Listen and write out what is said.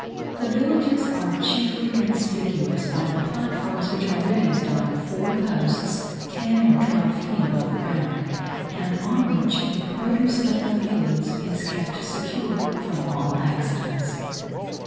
The villages are chiefly conspicuous by the platforms which are raised on four posts ten or twelve feet above the ground, and on which the produce of the fields is kept secure from all accidents.